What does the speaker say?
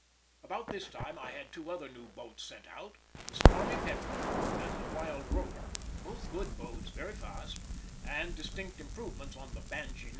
About this time I had two other new boats sent out, the Stormy Petrel and the Wild Rover, both good boats, very fast, and distinct improvements on the Banshee No.